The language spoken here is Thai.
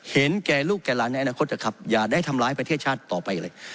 แก่ลูกแก่หลานในอนาคตนะครับอย่าได้ทำร้ายประเทศชาติต่อไปอีกเลย